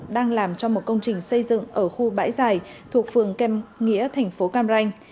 đang làm cho một công trình xây dựng ở khu bãi giải thuộc phường kem nghĩa thành phố cam ranh